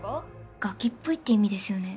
ガキっぽいって意味ですよね？